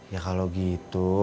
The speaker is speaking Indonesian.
ya kalau gitu